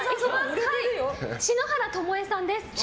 篠原ともえさんです。